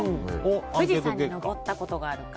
富士山に登ったことがあるか。